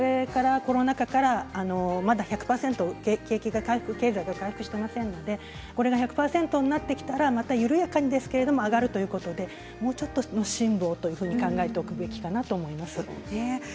これからコロナ禍から１００％景気が回復し経済が回復していませんので１００％になったら緩やかにですが上がるということでもうちょっとの辛抱というふうに考えておくべきかなと思います。